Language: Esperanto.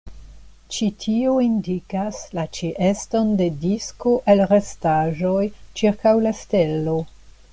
Ĉi tio indikas la ĉeeston de disko el restaĵoj ĉirkaŭ la stelo.